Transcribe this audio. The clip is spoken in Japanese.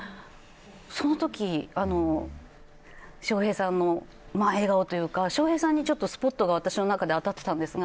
そのとき笑瓶さんの笑顔というか笑瓶さんにスポットが私の中で当たっていたんですが